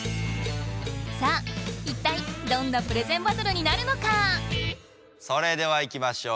さあいったいどんなプレゼンバトルになるのか⁉それではいきましょう。